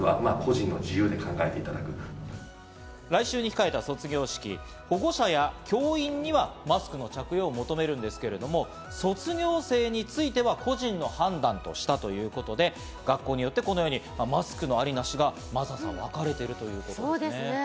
来週に控えた卒業式、保護者や教員にはマスクの着用を求めるんですが、卒業生については個人の判断としたということで、学校によって、このように、マスクのありなしが分かれているということです、真麻さん。